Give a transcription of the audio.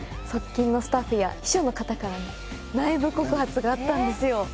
側近のスタッフや秘書の方からの内部告発があったんですよ。